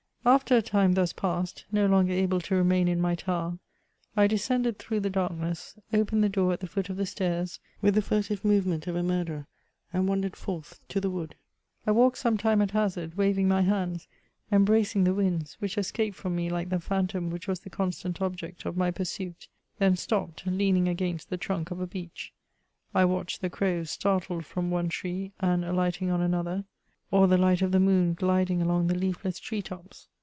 After a time thus passed, no longer able to remain in my tower, I descended through the darkness, opened the door at the foot of the stairs vrith the furtive movement of a murderer, and wandered forth into the wood. I vralked some time at hazard, v^aving my hands, embradtig the vrinds, which escaped from me like the phantom which was the constant . object of my pursuit; then stopped, leaning against the trui^ of a beech ; I watched the crows, startled from one tree, and alighting on another ; or the light of the moon gliding along the leafless tree tops.